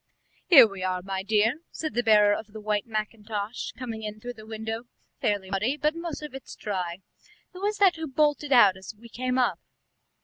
"Here we are, my dear," said the bearer of the white mackintosh, coming in through the window; "fairly muddy, but most of it's dry. Who was that who bolted out as we came up?"